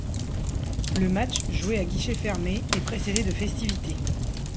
Le match, joué à guichets fermés, est précédé de festivités.